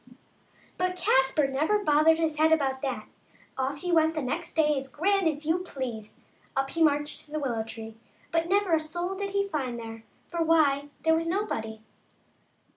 But Caspar never bothered his head about that ; off he went the next day as grand as you please. Up he marched to the willow tree, but never a soul did he find there ; for why, there was nobody.